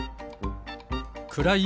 くらい